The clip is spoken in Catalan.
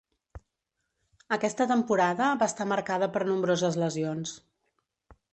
Aquesta temporada va estar marcada per nombroses lesions.